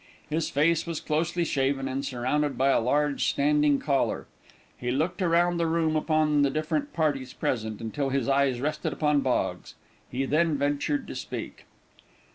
His face was closely shaven, and surrounded by a large standing collar. He looked around the room upon the different parties present, until his eyes rested upon Boggs. He then ventured to speak.